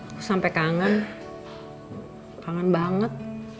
aku sampai kangen kangen banget